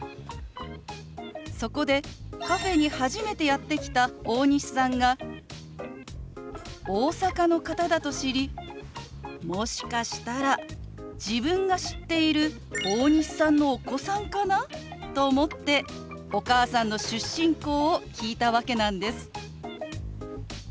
そこでカフェに初めてやって来た大西さんが大阪の方だと知りもしかしたら自分が知っている大西さんのお子さんかなと思ってお母さんの出身校を聞いたわけなんです。